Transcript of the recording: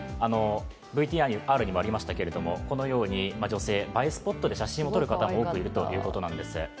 ＶＴＲにもありましたけれども、このように女性、映えスポットで写真を撮る方が多くいるということなんです。